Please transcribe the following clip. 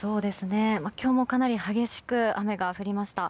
今日もかなり激しく雨が降りました。